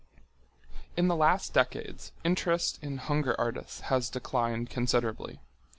In the last decades interest in hunger artists has declined considerably.